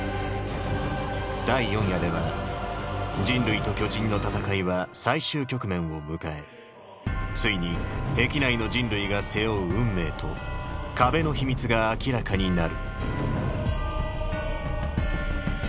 第４夜では人類と巨人の戦いは最終局面を迎えついに壁内の人類が背負う運命と壁の秘密が明らかになる